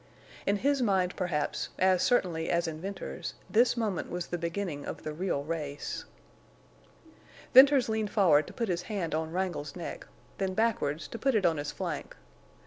In his mind perhaps, as certainly as in Venters's, this moment was the beginning of the real race. Venters leaned forward to put his hand on Wrangle's neck, then backward to put it on his flank.